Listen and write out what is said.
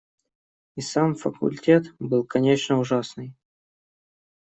И сам факультет был, конечно, ужасный.